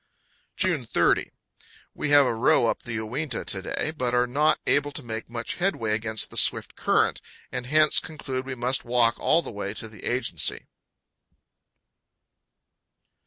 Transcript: June 30. We have a row up the Uinta to day, but are not able to make much headway against the swift current, and hence conclude we must walk all the way to the agency.